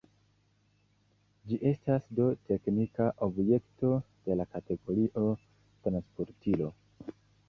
Ĝi estas do teknika objekto, de la kategorio «transportilo».